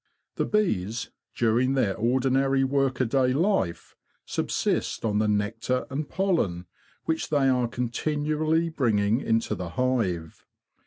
The bees, during their ordinary work aday life, subsist on the nectar and pollen which they are continually bringing into the hive.